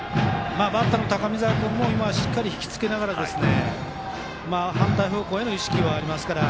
バッターの高見澤君もしっかり引きつけながら反対方向への意識があるので。